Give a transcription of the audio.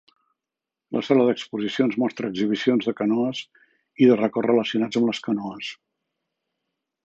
La sala d'exposicions mostra exhibicions de canoes i de records relacionats amb les canoes.